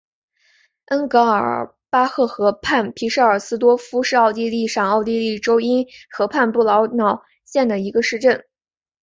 恩格尔巴赫河畔皮舍尔斯多夫是奥地利上奥地利州因河畔布劳瑙县的一个市镇。